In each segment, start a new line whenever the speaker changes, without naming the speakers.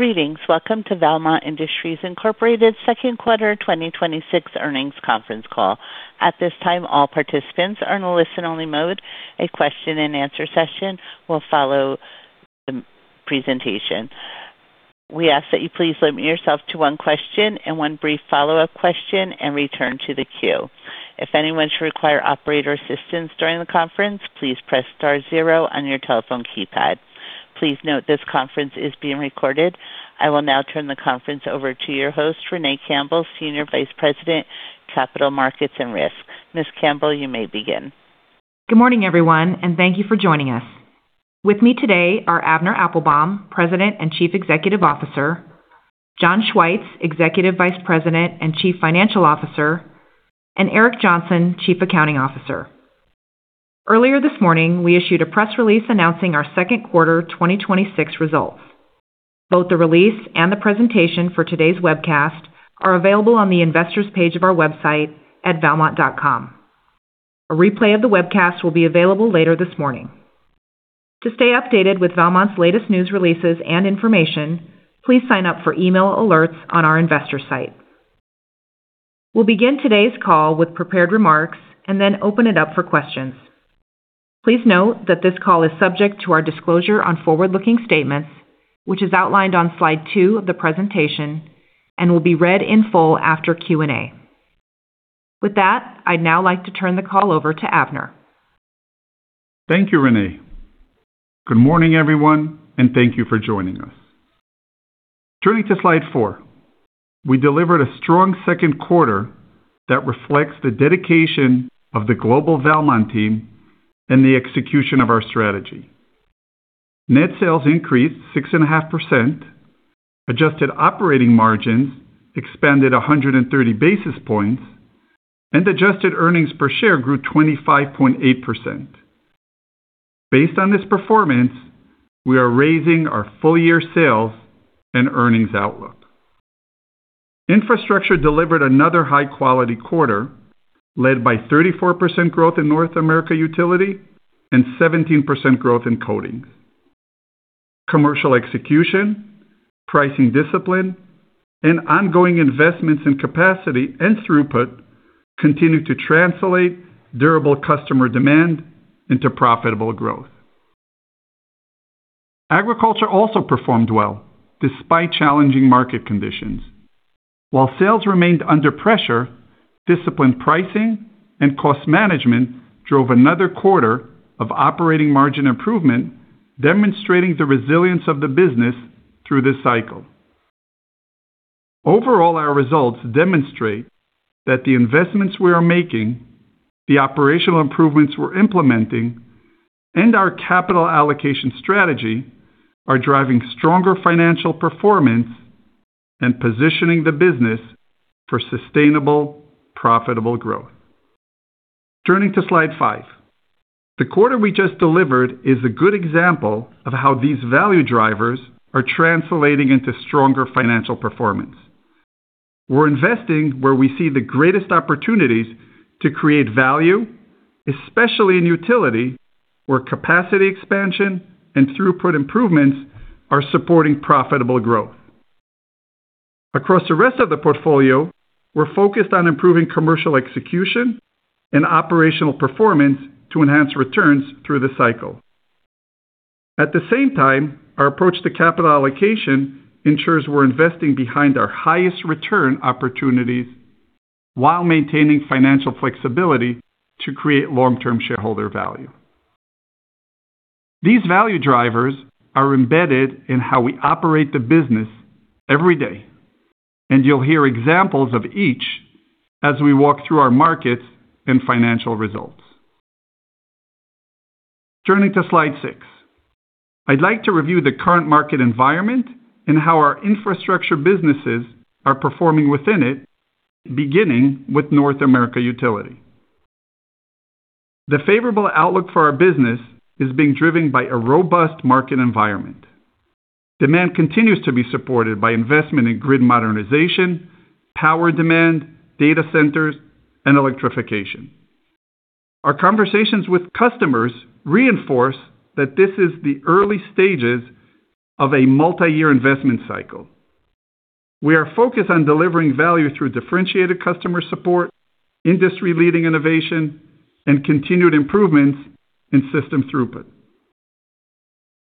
Greetings. Welcome to Valmont Industries Incorporated second quarter 2026 earnings conference call. At this time, all participants are in listen-only mode. A question-and-answer session will follow the presentation. We ask that you please limit yourself to one question and one brief follow-up question and return to the queue. If anyone should require operator assistance during the conference, please press star zero on your telephone keypad. Please note this conference is being recorded. I will now turn the conference over to your host, Renee Campbell, Senior Vice President, Capital Markets and Risk. Ms. Campbell, you may begin.
Good morning, everyone, and thank you for joining us. With me today are Avner Applbaum, President and Chief Executive Officer, John Schwietz, Executive Vice President and Chief Financial Officer, and Eric Johnson, Chief Accounting Officer. Earlier this morning, we issued a press release announcing our second quarter 2026 results. Both the release and the presentation for today's webcast are available on the Investors Page of our website at valmont.com. A replay of the webcast will be available later this morning. To stay updated with Valmont's latest news releases and information, please sign up for email alerts on our investor site. We will begin today's call with prepared remarks and then open it up for questions. Please note that this call is subject to our disclosure on forward-looking statements, which is outlined on slide two of the presentation and will be read in full after Q&A. With that, I would now like to turn the call over to Avner.
Thank you, Renee. Good morning, everyone, and thank you for joining us. Turning to slide four. We delivered a strong second quarter that reflects the dedication of the global Valmont team and the execution of our strategy. Net sales increased 6.5%, adjusted operating margins expanded 130 basis points, and adjusted earnings per share grew 25.8%. Based on this performance, we are raising our full-year sales and earnings outlook. Infrastructure delivered another high-quality quarter, led by 34% growth in North America Utility and 17% growth in Coatings. Commercial execution, pricing discipline, and ongoing investments in capacity and throughput continue to translate durable customer demand into profitable growth. Agriculture also performed well despite challenging market conditions. While sales remained under pressure, disciplined pricing and cost management drove another quarter of operating margin improvement, demonstrating the resilience of the business through this cycle. Overall, our results demonstrate that the investments we are making, the operational improvements we're implementing, and our capital allocation strategy are driving stronger financial performance and positioning the business for sustainable, profitable growth. Turning to slide five. The quarter we just delivered is a good example of how these value drivers are translating into stronger financial performance. We're investing where we see the greatest opportunities to create value, especially in Utility, where capacity expansion and throughput improvements are supporting profitable growth. Across the rest of the portfolio, we're focused on improving commercial execution and operational performance to enhance returns through the cycle. At the same time, our approach to capital allocation ensures we're investing behind our highest return opportunities while maintaining financial flexibility to create long-term shareholder value. These value drivers are embedded in how we operate the business every day, you'll hear examples of each as we walk through our markets and financial results. Turning to slide six. I'd like to review the current market environment and how our Infrastructure businesses are performing within it, beginning with North America Utility. The favorable outlook for our business is being driven by a robust market environment. Demand continues to be supported by investment in grid modernization, power demand, data centers, and electrification. Our conversations with customers reinforce that this is the early stages of a multiyear investment cycle. We are focused on delivering value through differentiated customer support, industry-leading innovation, and continued improvements in system throughput.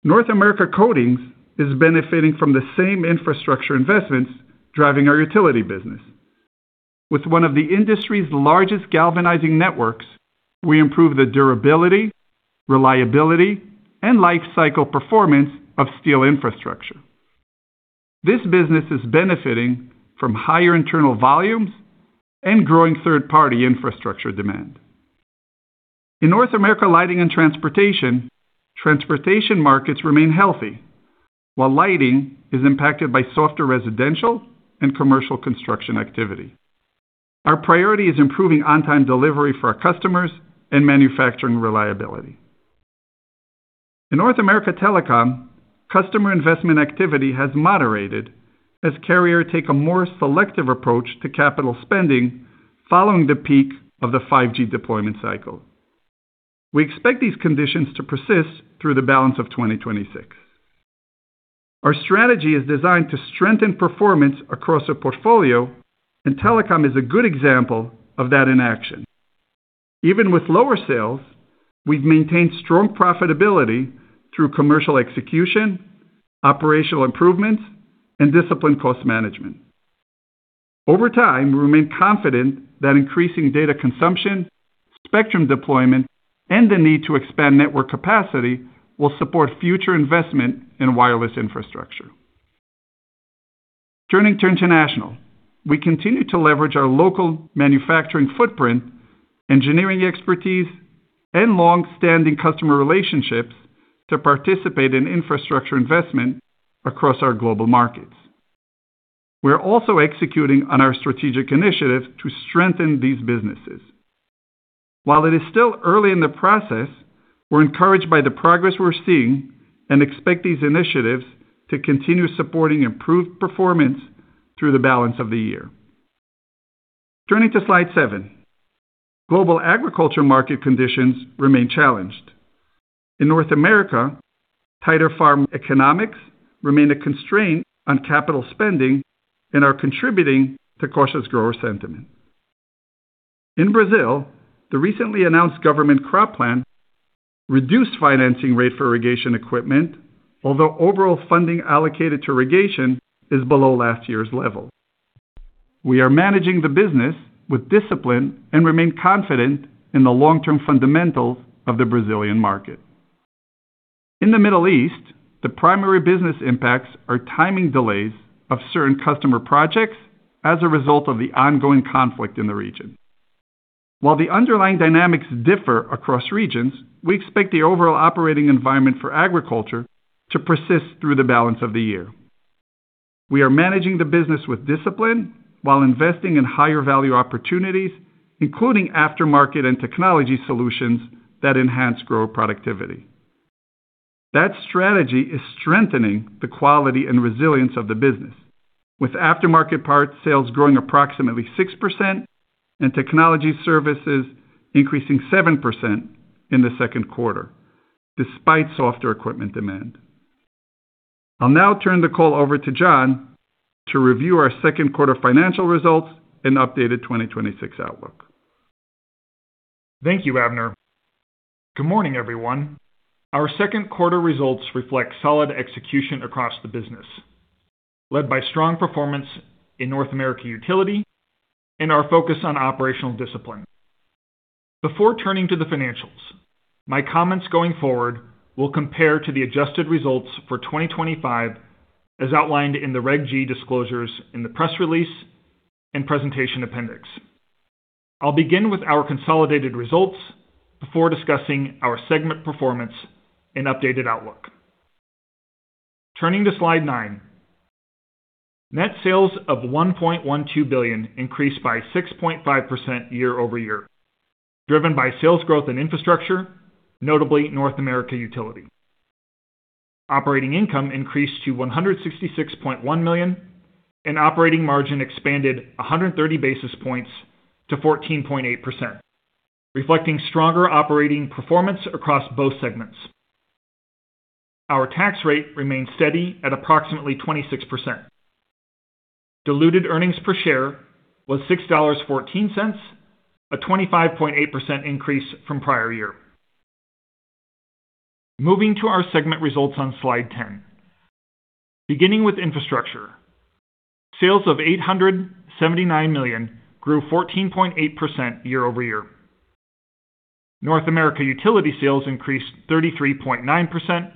North America Coatings is benefiting from the same Infrastructure investments driving our Utility business. With one of the industry's largest galvanizing networks, we improve the durability, reliability, and life cycle performance of steel infrastructure. This business is benefiting from higher internal volumes and growing third-party infrastructure demand. In North America Lighting and Transportation, Transportation markets remain healthy, while Lighting is impacted by softer residential and commercial construction activity. Our priority is improving on-time delivery for our customers and manufacturing reliability. In North America Telecom, customer investment activity has moderated as carriers take a more selective approach to capital spending following the peak of the 5G deployment cycle. We expect these conditions to persist through the balance of 2026. Our strategy is designed to strengthen performance across the portfolio, and Telecom is a good example of that in action. Even with lower sales, we've maintained strong profitability through commercial execution, operational improvements, and disciplined cost management. Over time, we remain confident that increasing data consumption, spectrum deployment, and the need to expand network capacity will support future investment in wireless infrastructure. Turning to International, we continue to leverage our local manufacturing footprint, engineering expertise, and long-standing customer relationships to participate in Infrastructure investment across our global markets. We are also executing on our strategic initiatives to strengthen these businesses. While it is still early in the process, we're encouraged by the progress we're seeing and expect these initiatives to continue supporting improved performance through the balance of the year. Turning to slide seven. Global agriculture market conditions remain challenged. In North America, tighter farm economics remain a constraint on capital spending and are contributing to cautious grower sentiment. In Brazil, the recently announced government crop plan reduced financing rate for irrigation equipment, although overall funding allocated to irrigation is below last year's level. We are managing the business with discipline and remain confident in the long-term fundamentals of the Brazilian market. In the Middle East, the primary business impacts are timing delays of certain customer projects as a result of the ongoing conflict in the region. While the underlying dynamics differ across regions, we expect the overall operating environment for Agriculture to persist through the balance of the year. We are managing the business with discipline while investing in higher value opportunities, including aftermarket and technology solutions that enhance grower productivity. That strategy is strengthening the quality and resilience of the business, with aftermarket parts sales growing approximately 6% and technology services increasing 7% in the second quarter, despite softer equipment demand. I'll now turn the call over to John to review our second quarter financial results and updated 2026 outlook.
Thank you, Avner. Good morning, everyone. Our second quarter results reflect solid execution across the business, led by strong performance in North America Utility and our focus on operational discipline. Before turning to the financials, my comments going forward will compare to the adjusted results for 2025, as outlined in the Reg G disclosures in the press release and presentation appendix. I'll begin with our consolidated results before discussing our segment performance and updated outlook. Turning to slide nine. Net sales of $1.12 billion increased by 6.5% year-over-year, driven by sales growth in Infrastructure, notably North America Utility. Operating income increased to $166.1 million and operating margin expanded 130 basis points to 14.8%, reflecting stronger operating performance across both segments. Our tax rate remained steady at approximately 26%. Diluted earnings per share was $6.14, a 25.8% increase from prior year. Moving to our segment results on slide 10. Beginning with Infrastructure. Sales of $879 million grew 14.8% year-over-year. North America Utility sales increased 33.9%,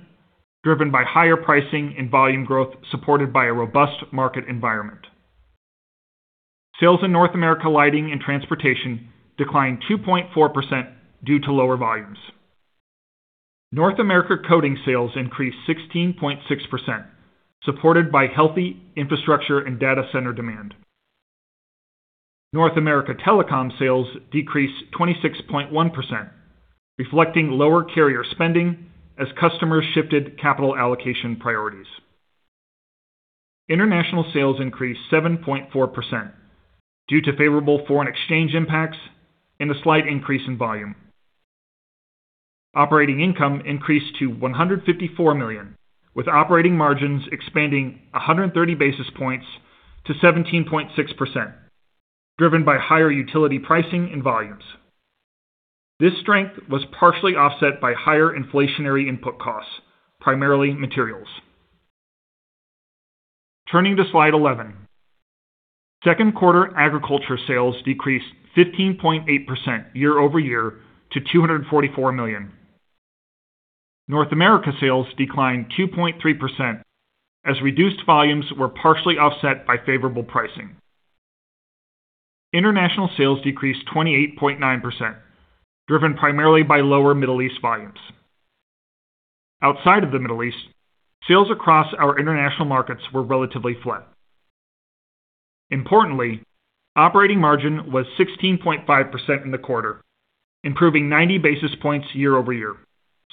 driven by higher pricing and volume growth supported by a robust market environment. Sales in North America Lighting and Transportation declined 2.4% due to lower volumes. North America Coatings sales increased 16.6%, supported by healthy infrastructure and data center demand. North America Telecom sales decreased 26.1%, reflecting lower carrier spending as customers shifted capital allocation priorities. International sales increased 7.4% due to favorable foreign exchange impacts and a slight increase in volume. Operating income increased to $154 million, with operating margins expanding 130 basis points to 17.6%, driven by higher Utility pricing and volumes. This strength was partially offset by higher inflationary input costs, primarily materials. Turning to slide 11. Second quarter Agriculture sales decreased 15.8% year-over-year to $244 million. North America sales declined 2.3% as reduced volumes were partially offset by favorable pricing. International sales decreased 28.9%, driven primarily by lower Middle East volumes. Outside of the Middle East, sales across our international markets were relatively flat. Importantly, operating margin was 16.5% in the quarter, improving 90 basis points year-over-year,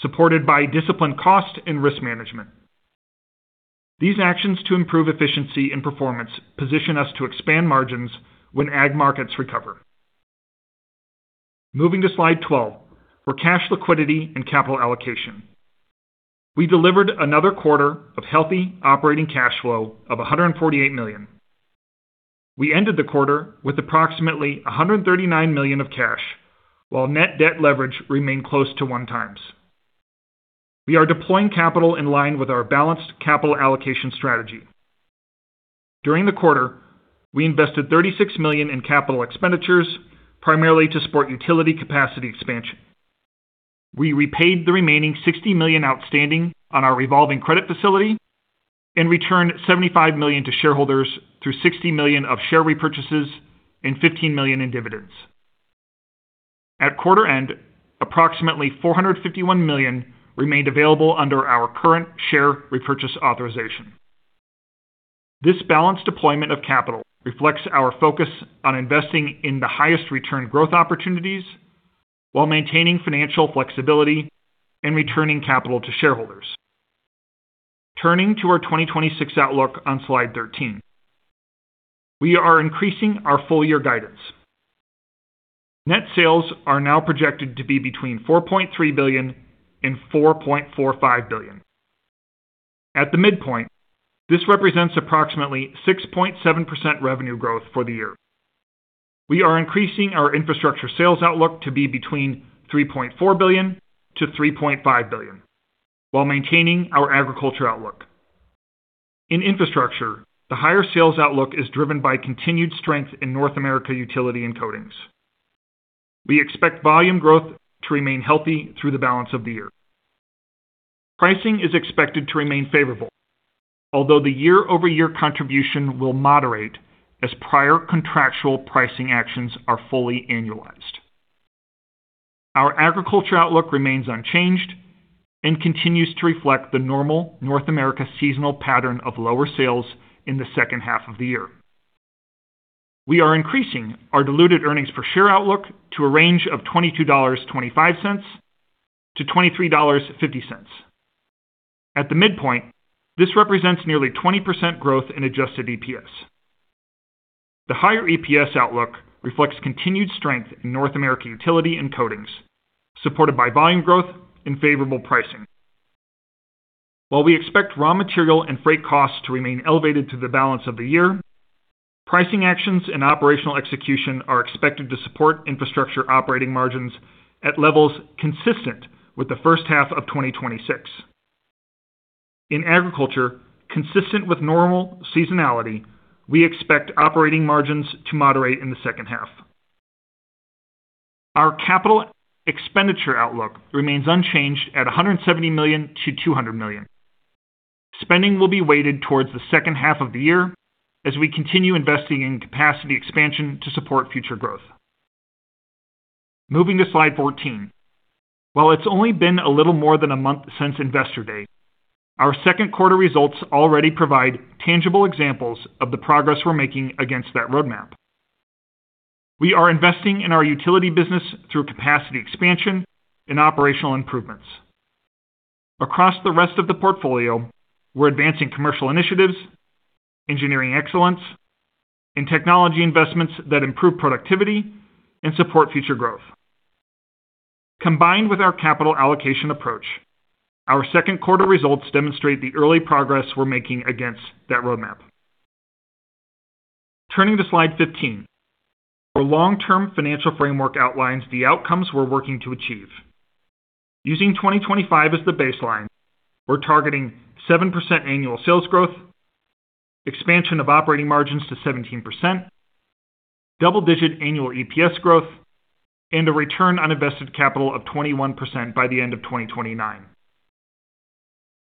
supported by disciplined cost and risk management. These actions to improve efficiency and performance position us to expand margins when Ag markets recover. Moving to slide 12 for cash liquidity and capital allocation. We delivered another quarter of healthy operating cash flow of $148 million. We ended the quarter with approximately $139 million of cash, while net debt leverage remained close to one times. We are deploying capital in line with our balanced capital allocation strategy. During the quarter, we invested $36 million in capital expenditures, primarily to support Utility capacity expansion. We repaid the remaining $60 million outstanding on our revolving credit facility and returned $75 million to shareholders through $60 million of share repurchases and $15 million in dividends. At quarter end, approximately $451 million remained available under our current share repurchase authorization. This balanced deployment of capital reflects our focus on investing in the highest return growth opportunities while maintaining financial flexibility and returning capital to shareholders. Turning to our 2026 outlook on slide 13. We are increasing our full year guidance. Net sales are now projected to be between $4.3 billion and $4.45 billion. At the midpoint, this represents approximately 6.7% revenue growth for the year. We are increasing our Infrastructure sales outlook to be between $3.4 billion-$3.5 billion while maintaining our Agriculture outlook. In Infrastructure, the higher sales outlook is driven by continued strength in North America Utility and Coatings. We expect volume growth to remain healthy through the balance of the year. Pricing is expected to remain favorable, although the year-over-year contribution will moderate as prior contractual pricing actions are fully annualized. Our Agriculture outlook remains unchanged and continues to reflect the normal North America seasonal pattern of lower sales in the second half of the year. We are increasing our diluted earnings per share outlook to a range of $22.25-$23.50. At the midpoint, this represents nearly 20% growth in adjusted EPS. The higher EPS outlook reflects continued strength in North America Utility and Coatings, supported by volume growth and favorable pricing. While we expect raw material and freight costs to remain elevated through the balance of the year, pricing actions and operational execution are expected to support Infrastructure operating margins at levels consistent with the first half of 2026. In Agriculture, consistent with normal seasonality, we expect operating margins to moderate in the second half. Our capital expenditure outlook remains unchanged at $170 million-$200 million. Spending will be weighted towards the second half of the year as we continue investing in capacity expansion to support future growth. Moving to slide 14. While it's only been a little more than a month since Investor Day, our second quarter results already provide tangible examples of the progress we're making against that roadmap. We are investing in our Utility business through capacity expansion and operational improvements. Across the rest of the portfolio, we're advancing commercial initiatives, engineering excellence, and technology investments that improve productivity and support future growth. Combined with our capital allocation approach, our second quarter results demonstrate the early progress we're making against that roadmap. Turning to slide 15. Our long-term financial framework outlines the outcomes we're working to achieve. Using 2025 as the baseline, we're targeting 7% annual sales growth, expansion of operating margins to 17%, double-digit annual EPS growth, and a return on invested capital of 21% by the end of 2029.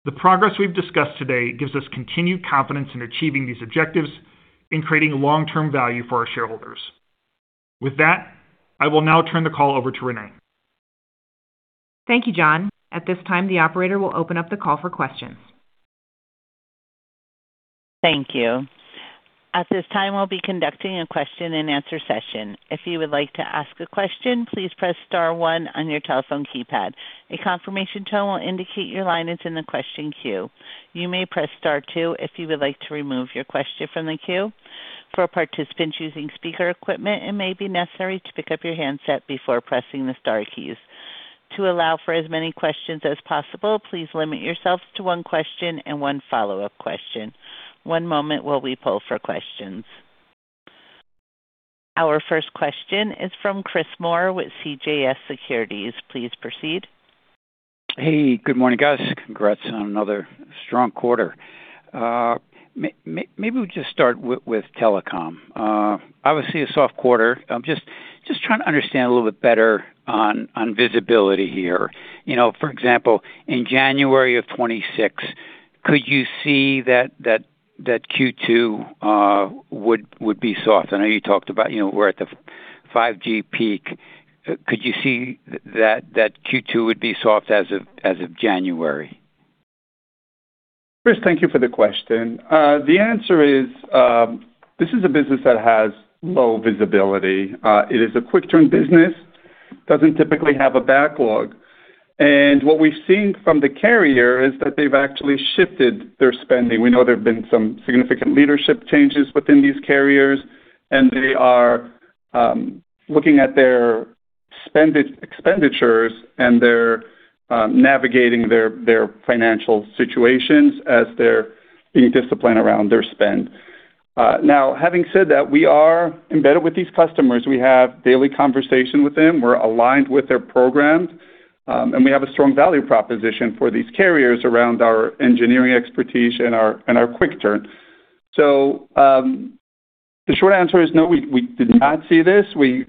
The progress we've discussed today gives us continued confidence in achieving these objectives in creating long-term value for our shareholders. With that, I will now turn the call over to Renee.
Thank you, John. At this time, the operator will open up the call for questions.
Thank you. At this time, we'll be conducting a question-and-answer session. If you would like to ask a question, please press star one on your telephone keypad. A confirmation tone will indicate your line is in the question queue. You may press star two if you would like to remove your question from the queue. For participants using speaker equipment, it may be necessary to pick up your handset before pressing the star keys. To allow for as many questions as possible, please limit yourself to one question and one follow-up question. One moment while we poll for questions. Our first question is from Chris Moore with CJS Securities. Please proceed.
Hey, good morning, guys. Congrats on another strong quarter. Maybe we just start with Telecom. Obviously, a soft quarter. I'm just trying to understand a little bit better on visibility here. For example, in January of 2026, could you see that Q2 would be soft? I know you talked about we're at the 5G peak. Could you see that Q2 would be soft as of January?
Chris, thank you for the question. The answer is, this is a business that has low visibility. It is a quick turn business. Doesn't typically have a backlog. What we've seen from the carrier is that they've actually shifted their spending. We know there have been some significant leadership changes within these carriers, and they are looking at their expenditures, and they're navigating their financial situations as they're being disciplined around their spend. Now, having said that, we are embedded with these customers. We have daily conversation with them. We're aligned with their programs. We have a strong value proposition for these carriers around our engineering expertise and our quick turn. The short answer is no, we did not see this. We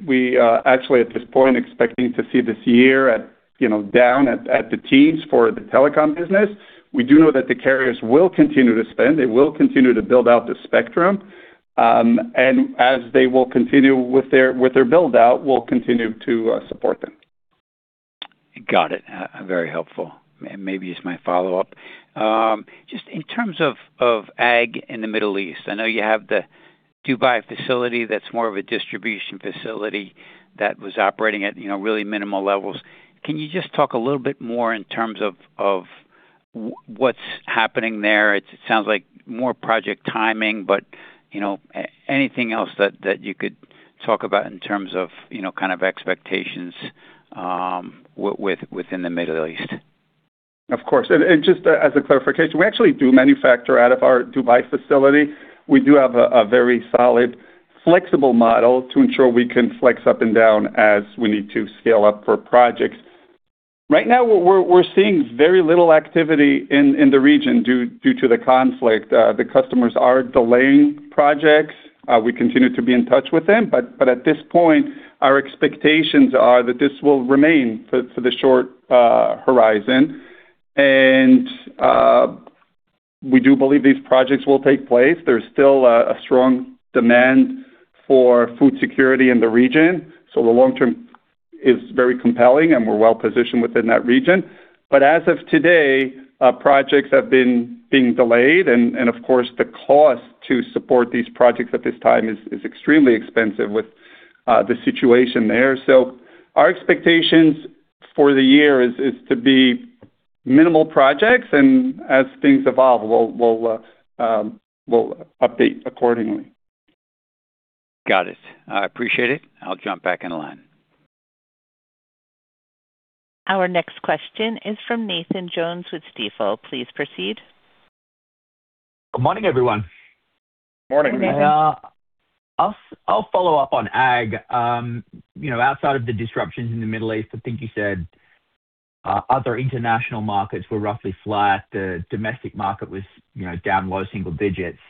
actually, at this point, expecting to see this year down at the teens for the Telecom business. We do know that the carriers will continue to spend, they will continue to build out the spectrum. As they will continue with their build-out, we'll continue to support them.
Got it. Very helpful. Maybe just my follow-up. Just in terms of Ag in the Middle East, I know you have the Dubai facility that's more of a distribution facility that was operating at really minimal levels. Can you just talk a little bit more in terms of what's happening there? It sounds like more project timing, but anything else that you could talk about in terms of kind of expectations within the Middle East?
Of course. Just as a clarification, we actually do manufacture out of our Dubai facility. We do have a very solid, flexible model to ensure we can flex up and down as we need to scale up for projects. Right now, we're seeing very little activity in the region due to the conflict. The customers are delaying projects. We continue to be in touch with them, but at this point, our expectations are that this will remain for the short horizon. We do believe these projects will take place. There's still a strong demand for food security in the region, so the long term is very compelling, and we're well-positioned within that region. As of today, projects have been being delayed, and of course, the cost to support these projects at this time is extremely expensive with the situation there. Our expectations for the year is to be minimal projects, and as things evolve, we'll update accordingly.
Got it. I appreciate it. I'll jump back in the line.
Our next question is from Nathan Jones with Stifel. Please proceed.
Good morning, everyone.
Morning.
Good morning.
I'll follow up on Ag. Outside of the disruptions in the Middle East, I think you said other international markets were roughly flat, the domestic market was down low single digits.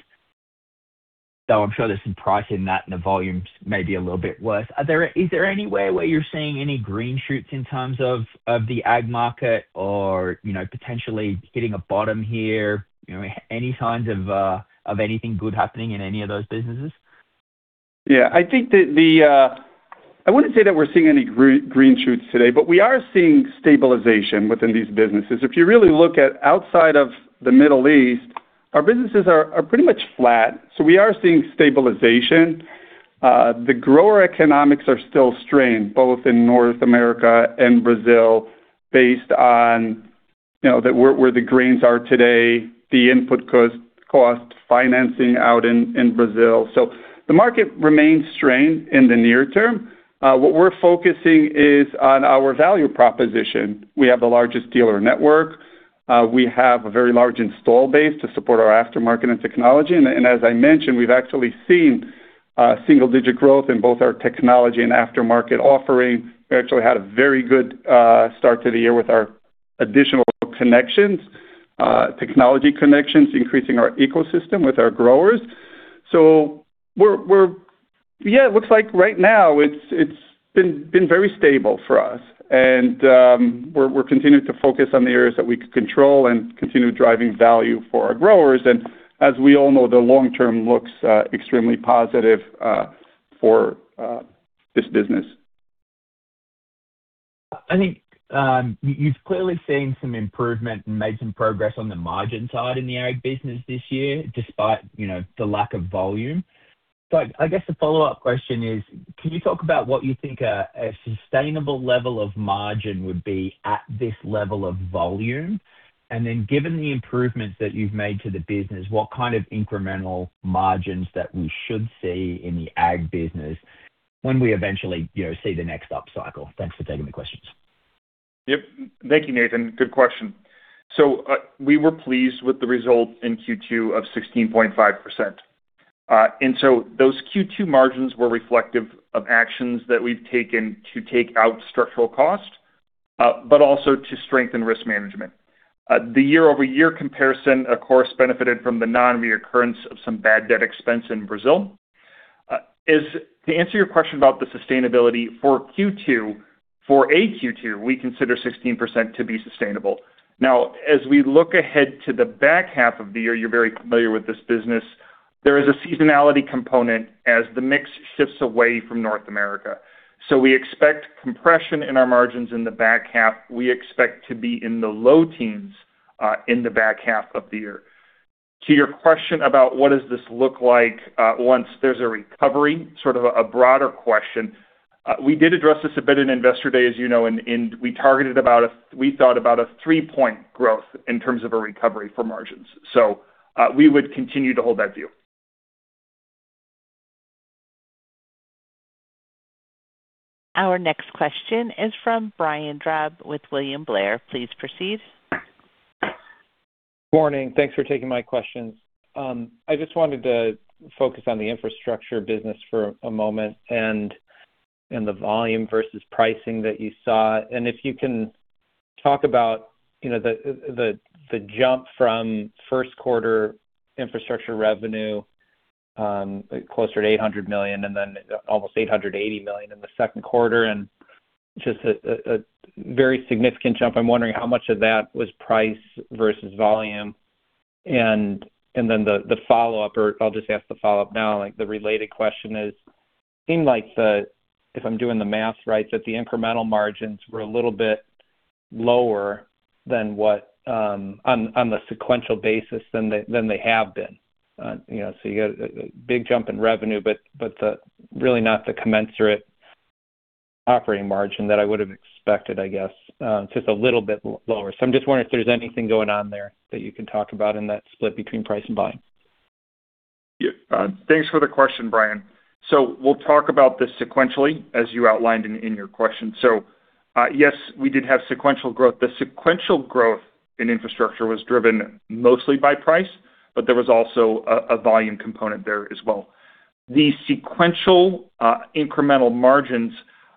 I'm sure there's some price in that and the volumes may be a little bit worse. Is there any way where you're seeing any green shoots in terms of the Ag market or potentially hitting a bottom here? Any signs of anything good happening in any of those businesses?
I wouldn't say that we're seeing any green shoots today, but we are seeing stabilization within these businesses. If you really look at outside of the Middle East, our businesses are pretty much flat. We are seeing stabilization. The grower economics are still strained, both in North America and Brazil, based on where the grains are today, the input cost, financing out in Brazil. The market remains strained in the near term. What we're focusing is on our value proposition. We have the largest dealer network. We have a very large install base to support our aftermarket and technology. As I mentioned, we've actually seen single-digit growth in both our technology and aftermarket offering. We actually had a very good start to the year with our additional connections, technology connections, increasing our ecosystem with our growers. It looks like right now it's been very stable for us. We're continuing to focus on the areas that we could control and continue driving value for our growers. As we all know, the long term looks extremely positive for this business.
I think you've clearly seen some improvement and made some progress on the margin side in the Ag business this year, despite the lack of volume. I guess the follow-up question is, can you talk about what you think a sustainable level of margin would be at this level of volume? Given the improvements that you've made to the business, what kind of incremental margins that we should see in the Ag business when we eventually see the next up cycle? Thanks for taking the questions.
Yep. Thank you, Nathan. Good question. We were pleased with the result in Q2 of 16.5%. Those Q2 margins were reflective of actions that we've taken to take out structural cost, but also to strengthen risk management. The year-over-year comparison, of course, benefited from the non-recurrence of some bad debt expense in Brazil. To answer your question about the sustainability for Q2, for a Q2, we consider 16% to be sustainable. Now, as we look ahead to the back half of the year, you're very familiar with this business, there is a seasonality component as the mix shifts away from North America. We expect compression in our margins in the back half. We expect to be in the low teens in the back half of the year. To your question about what does this look like once there's a recovery, sort of a broader question, we did address this a bit in Investor Day, as you know, and we thought about a three-point growth in terms of a recovery for margins. We would continue to hold that view.
Our next question is from Brian Drab with William Blair. Please proceed.
Morning. Thanks for taking my questions. I just wanted to focus on the Infrastructure business for a moment and the volume versus pricing that you saw, and if you can talk about the jump from first quarter Infrastructure revenue, closer to $800 million and then almost $880 million in the second quarter, and just a very significant jump. I'm wondering how much of that was price versus volume. The follow-up, or I'll just ask the follow-up now, the related question is, it seemed like the, if I'm doing the math right, that the incremental margins were a little bit lower on the sequential basis than they have been. You got a big jump in revenue, but really not the commensurate operating margin that I would have expected, I guess. Just a little bit lower. I'm just wondering if there's anything going on there that you can talk about in that split between price and volume.
Yeah. Thanks for the question, Brian. We'll talk about this sequentially, as you outlined in your question. Yes, we did have sequential growth. The sequential growth in Infrastructure was driven mostly by price, but there was also a volume component there as well. The sequential incremental margins,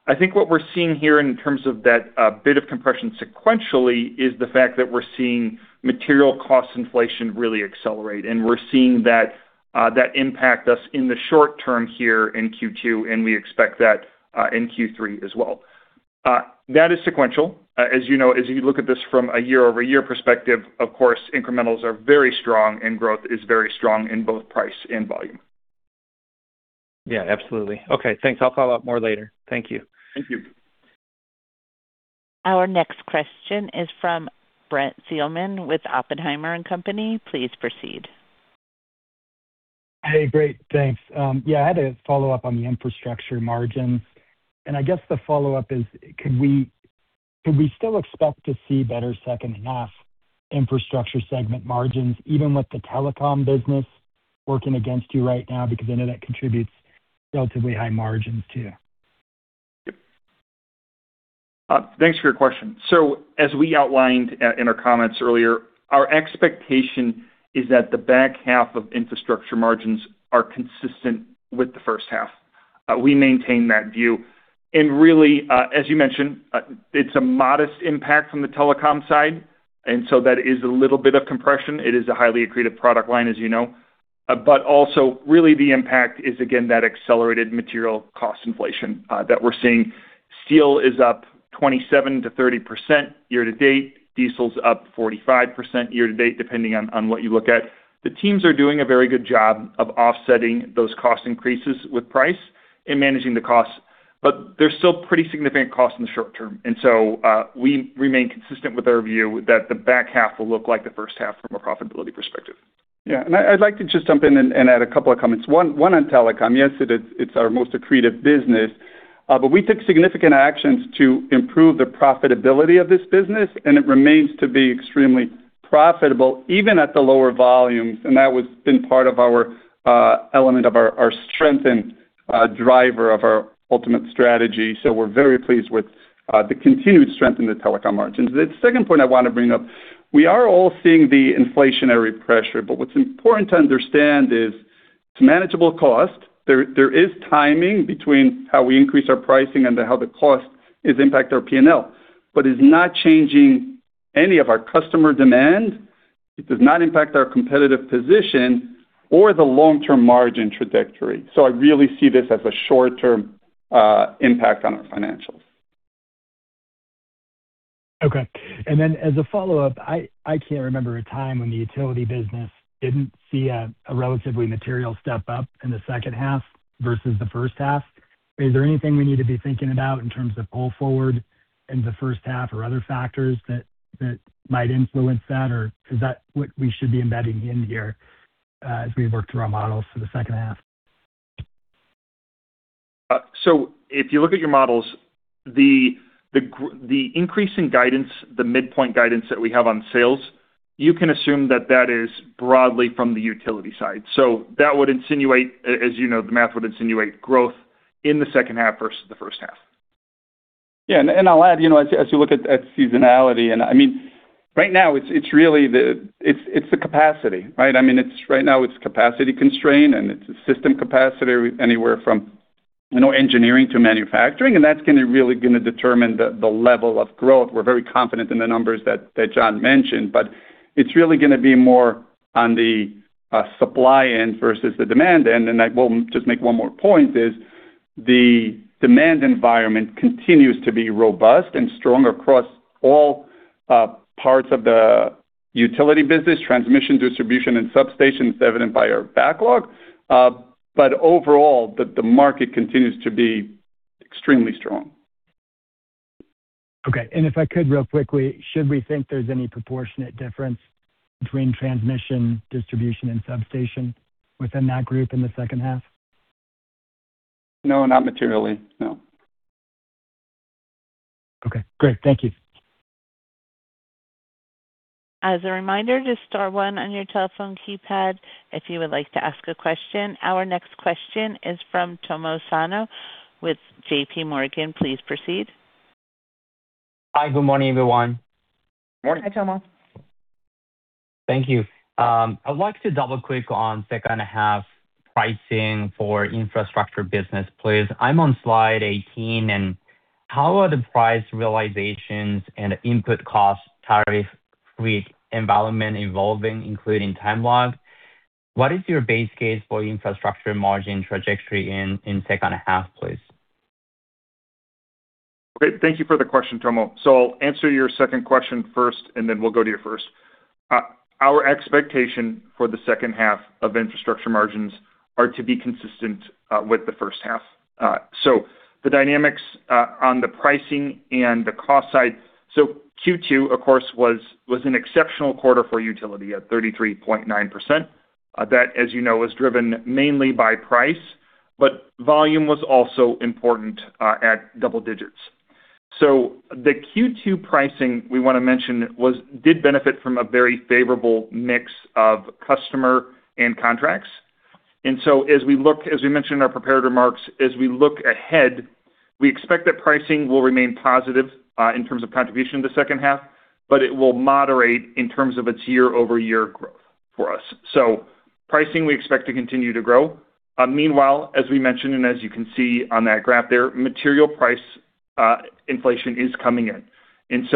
I think what we're seeing here in terms of that bit of compression sequentially is the fact that we're seeing material cost inflation really accelerate, and we're seeing that impact us in the short term here in Q2, and we expect that in Q3 as well. That is sequential. As you know, as you look at this from a year-over-year perspective, of course, incrementals are very strong and growth is very strong in both price and volume.
Yeah, absolutely. Okay, thanks. I'll follow up more later. Thank you.
Thank you.
Our next question is from Brent Thielman with Oppenheimer & Co.. Please proceed.
Hey, great. Thanks. Yeah, I had a follow-up on the Infrastructure margins. I guess the follow-up is, could we still expect to see better second half Infrastructure segment margins even with the Telecom business working against you right now? I know that contributes relatively high margins too.
Thanks for your question. As we outlined in our comments earlier, our expectation is that the back half of Infrastructure margins are consistent with the first half. We maintain that view. Really, as you mentioned, it's a modest impact from the Telecom side, that is a little bit of compression. It is a highly accretive product line, as you know. Also really the impact is, again, that accelerated material cost inflation that we're seeing. Steel is up 27%-30% year to date. Diesel's up 45% year to date, depending on what you look at. The teams are doing a very good job of offsetting those cost increases with price and managing the costs, there's still pretty significant cost in the short term. We remain consistent with our view that the back half will look like the first half from a profitability perspective.
I'd like to just jump in and add a couple of comments. One on Telecom. Yes, it's our most accretive business, but we took significant actions to improve the profitability of this business, and it remains to be extremely profitable, even at the lower volumes, and that has been part of our element of our strength and driver of our ultimate strategy. We're very pleased with the continued strength in the Telecom margins. The second point I want to bring up, we are all seeing the inflationary pressure. What's important to understand is it's manageable cost. There is timing between how we increase our pricing and how the cost is impact our P&L, but it's not changing any of our customer demand. It does not impact our competitive position or the long-term margin trajectory. I really see this as a short-term impact on our financials.
As a follow-up, I can't remember a time when the Utility business didn't see a relatively material step up in the second half versus the first half. Is there anything we need to be thinking about in terms of pull forward in the first half or other factors that might influence that? Or is that what we should be embedding in here as we work through our models for the second half?
If you look at your models, the increase in guidance, the midpoint guidance that we have on sales, you can assume that that is broadly from the Utility side. That would insinuate, as you know, the math would insinuate growth in the second half versus the first half.
I'll add, as you look at seasonality and I mean, right now it's the capacity, right? I mean, right now it's capacity constraint, and it's a system capacity anywhere from engineering to manufacturing, and that's really going to determine the level of growth. We're very confident in the numbers that John mentioned, but it's really going to be more on the supply end versus the demand end. I will just make one more point is the demand environment continues to be robust and strong across all parts of the Utility business, transmission, distribution, and substations, evident by our backlog. Overall, the market continues to be extremely strong.
Okay. If I could, real quickly, should we think there's any proportionate difference between transmission, distribution, and substation within that group in the second half?
No, not materially, no.
Okay, great. Thank you.
As a reminder, just star one on your telephone keypad if you would like to ask a question. Our next question is from Tomo Sano with JPMorgan. Please proceed.
Hi. Good morning, everyone.
Morning.
Hi, Tomo.
Thank you. I would like to double-click on second half pricing for Infrastructure business, please. I'm on slide 18, and how are the price realizations and input cost tariff environment evolving, including time lag? What is your base case for Infrastructure margin trajectory in second half, please?
Great. Thank you for the question, Tomo. I'll answer your second question first, and then we'll go to your first. Our expectation for the second half of Infrastructure margins are to be consistent with the first half. The dynamics on the pricing and the cost side. Q2, of course, was an exceptional quarter for Utility at 33.9%. That, as you know, was driven mainly by price, but volume was also important at double digits. The Q2 pricing we want to mention did benefit from a very favorable mix of customer and contracts. As we mentioned in our prepared remarks, as we look ahead, we expect that pricing will remain positive, in terms of contribution in the second half, but it will moderate in terms of its year-over-year growth for us. Pricing, we expect to continue to grow. Meanwhile, as we mentioned and as you can see on that graph there, material price inflation is coming in.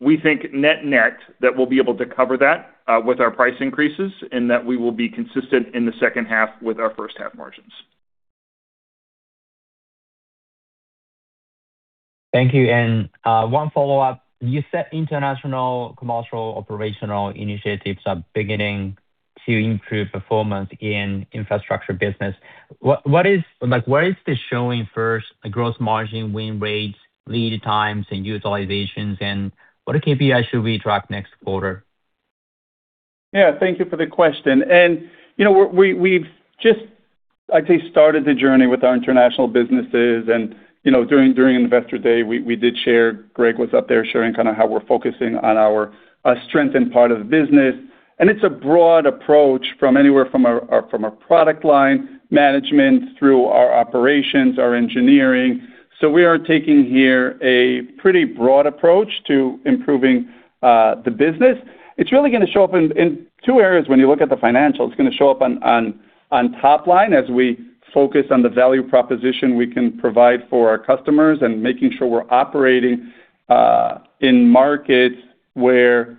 We think net net, that we'll be able to cover that with our price increases and that we will be consistent in the second half with our first half margins.
Thank you. One follow-up. You said international commercial operational initiatives are beginning to improve performance in Infrastructure business. Where is this showing first? Gross margin, win rates, lead times, and utilizations, and what KPI should we track next quarter?
Thank you for the question. We've just, I'd say, started the journey with our international businesses and during Investor Day, we did share, Greg was up there sharing kind of how we're focusing on our strength in part of the business. It's a broad approach from anywhere from a product line management through our operations, our engineering. We are taking here a pretty broad approach to improving the business. It's really going to show up in two areas when you look at the financials. It's going to show up on top line as we focus on the value proposition we can provide for our customers and making sure we're operating in markets where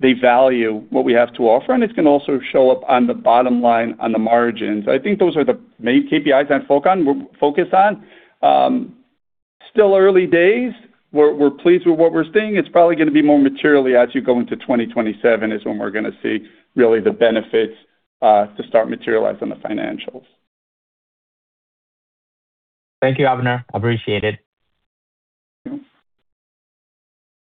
they value what we have to offer. It's going to also show up on the bottom line on the margins. I think those are the main KPIs I'd focus on. Still early days. We're pleased with what we're seeing. It's probably going to be more materially as you go into 2027 is when we're going to see really the benefits to start materialize on the financials.
Thank you, Avner. Appreciate it.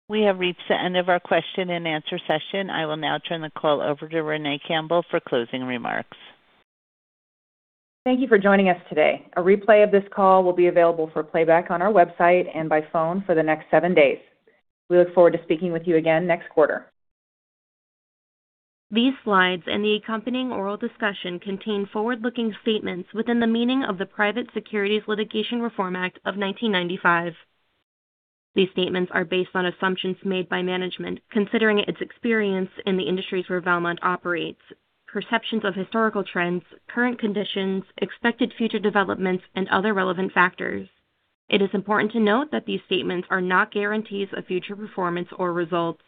We have reached the end of our question and answer session. I will now turn the call over to Renee Campbell for closing remarks.
Thank you for joining us today. A replay of this call will be available for playback on our website and by phone for the next seven days. We look forward to speaking with you again next quarter.
These slides and the accompanying oral discussion contain forward-looking statements within the meaning of the Private Securities Litigation Reform Act of 1995. These statements are based on assumptions made by management considering its experience in the industries where Valmont operates, perceptions of historical trends, current conditions, expected future developments, and other relevant factors. It is important to note that these statements are not guarantees of future performance or results.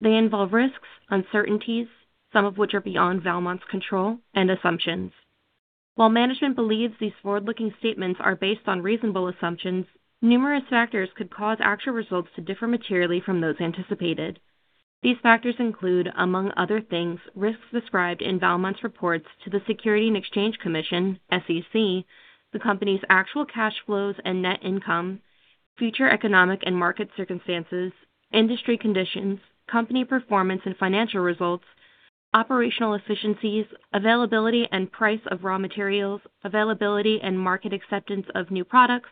They involve risks, uncertainties, some of which are beyond Valmont's control, and assumptions. While management believes these forward-looking statements are based on reasonable assumptions, numerous factors could cause actual results to differ materially from those anticipated. These factors include, among other things, risks described in Valmont's reports to the Securities and Exchange Commission, SEC, the company's actual cash flows and net income, future economic and market circumstances, industry conditions, company performance and financial results, operational efficiencies, availability and price of raw materials, availability and market acceptance of new products,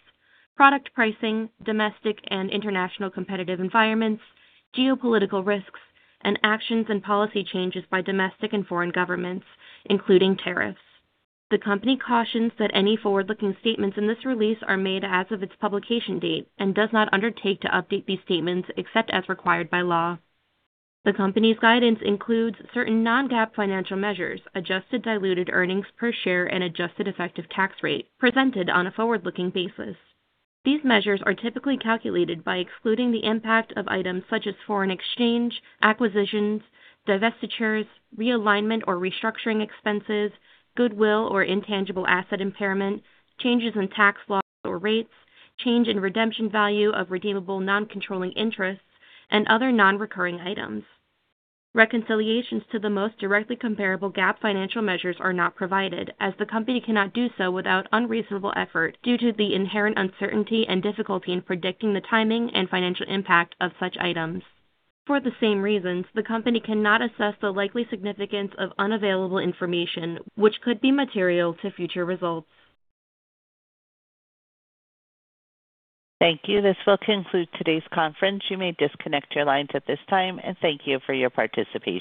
product pricing, domestic and international competitive environments, geopolitical risks, and actions and policy changes by domestic and foreign governments, including tariffs. The company cautions that any forward-looking statements in this release are made as of its publication date and does not undertake to update these statements except as required by law. The company's guidance includes certain non-GAAP financial measures, adjusted diluted earnings per share and adjusted effective tax rate, presented on a forward-looking basis. These measures are typically calculated by excluding the impact of items such as foreign exchange, acquisitions, divestitures, realignment or restructuring expenses, goodwill or intangible asset impairment, changes in tax laws or rates, change in redemption value of redeemable non-controlling interests, and other non-recurring items. Reconciliations to the most directly comparable GAAP financial measures are not provided as the company cannot do so without unreasonable effort due to the inherent uncertainty and difficulty in predicting the timing and financial impact of such items. For the same reasons, the company cannot assess the likely significance of unavailable information which could be material to future results. Thank you. This will conclude today's conference. You may disconnect your lines at this time, and thank you for your participation.